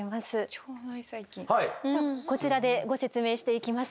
こちらでご説明していきます。